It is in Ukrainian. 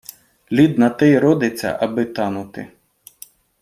Лід на те й родиться, аби танути.